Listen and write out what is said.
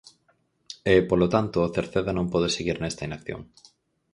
E, polo tanto, Cerceda non pode seguir nesta inacción.